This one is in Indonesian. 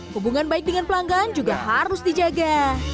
hubungan baik dengan pelanggan juga harus dijaga